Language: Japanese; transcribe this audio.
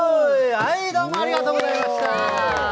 はい、どうもありがとうございました。